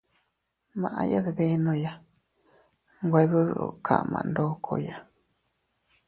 Maʼya dbenoya, nwe dudu kama ndokoya.